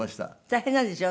大変なんですよ。